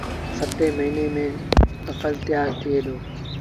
ستيٚن مهيني ميݩ ڦسل تيآر ٿئيٚ دو